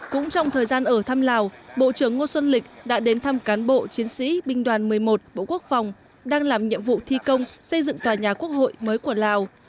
cũng trong thời gian ở thăm lào bộ trưởng ngô xuân lịch đã đến thăm cán bộ chiến sĩ binh đoàn một mươi một bộ quốc phòng đang làm nhiệm vụ thi công xây dựng tòa nhà quốc hội mới của lào